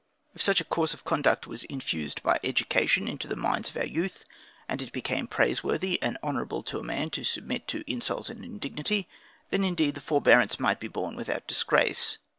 If such a course of conduct was infused by education into the minds of our youth, and it became praiseworthy and honorable to a man to submit to insult and indignity, then indeed the forbearance might be borne without disgrace.